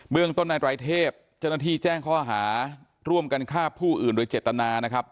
เรื่องต้นนายไตรเทพเจ้าหน้าที่แจ้งข้อหาร่วมกันฆ่าผู้อื่นโดยเจตนานะครับ